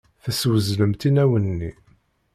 Teswezlemt inaw-nni.